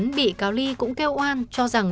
sik cũng bị cáo lee kêu oan cho rằng